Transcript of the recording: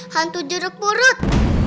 hantu jeruk purut